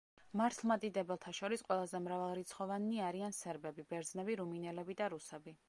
მართლმადიდებელთა შორის ყველაზე მრავალრიცხოვანნი არიან სერბები, ბერძნები, რუმინელები და რუსები.